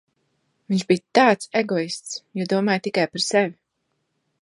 Viņš bija tāds egoists, jo domāja tikai par sevi